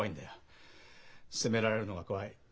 責められるのが怖い。